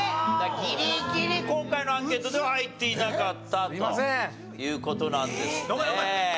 ギリギリ今回のアンケートでは入っていなかったという事なんですね。